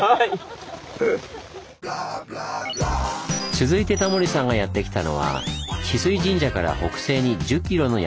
続いてタモリさんがやって来たのは治水神社から北西に１０ｋｍの山あい。